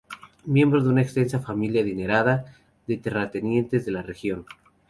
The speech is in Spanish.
Miembro de una extensa familia adinerada de terratenientes de la región.